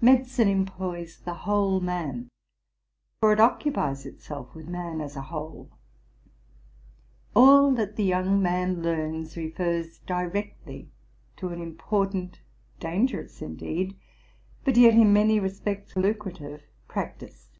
Medicine employs the whole man, for it occupies itself with man as a whole. All that the young man learns 800 TRUTH. AND FICTION refers directly to an important, dangerous indeed, but yet in many respects lucrative, practice.